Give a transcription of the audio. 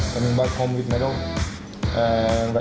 kembali ke rumah dengan medal